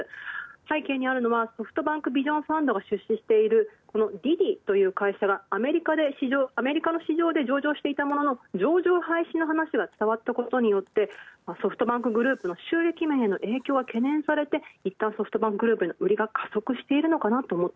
背景にあるのはソフトバンクビジョンファンドが出資しているこのディディという会社がアメリカの市場で上場していたものの上場廃止の話が伝わった、ソフトバンクグループへの収益面での影響が懸念されて売りが加速したのかなと。